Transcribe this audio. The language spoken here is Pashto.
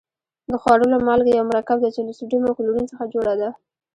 د خوړلو مالګه یو مرکب دی چې له سوډیم او کلورین څخه جوړه ده.